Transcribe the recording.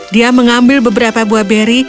dia mengambil beberapa buah beri